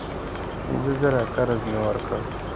پینځه زره قرض مې ورکړ.